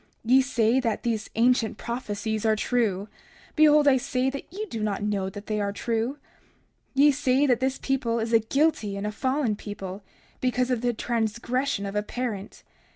Ye say that those ancient prophecies are true. Behold, I say that ye do not know that they are true. 30:25 Ye say that this people is a guilty and a fallen people, because of the transgression of a parent.